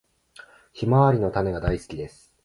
ヒマワリの種が大好きです。